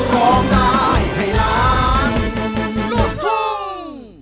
ร้อง